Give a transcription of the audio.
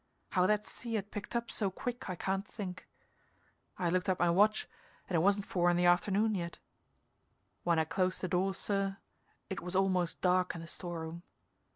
How that sea had picked up so quick I can't think. I looked at my watch and it wasn't four in the afternoon yet. When I closed the door, sir, it was almost dark in the store room.